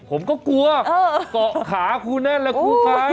ผมก็กลัวเกาะขาครูแน่นแล้วครูครับ